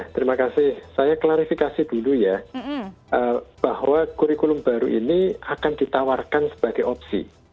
terima kasih saya klarifikasi dulu ya bahwa kurikulum baru ini akan ditawarkan sebagai opsi